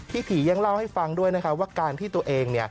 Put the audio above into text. ผียังเล่าให้ฟังด้วยนะครับว่าการที่ตัวเอง